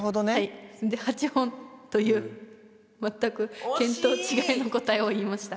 ８本という全く見当違いの答えを言いました。